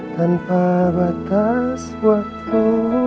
tanpa batas waktu